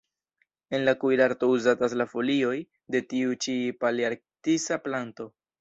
En la kuirarto uzatas la folioj de tiu ĉi palearktisa planto.